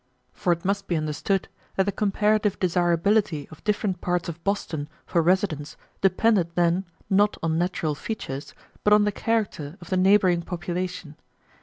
For it must be understood that the comparative desirability of different parts of Boston for residence depended then, not on natural features, but on the character of the neighboring population.